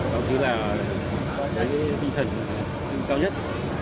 đó chính là cái tinh thần cao nhất